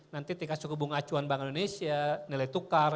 nanti tingkat suku bunga acuan bank indonesia nilai tukar